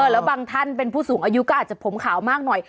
แล้วบางท่านเป็นผู้สูงอายุก็อาจจะผมขาวมากหน่อย